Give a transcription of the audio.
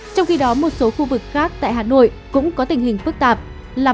trong khi đó một số khu vực khác tại hà nội cũng có tình hình phức tạp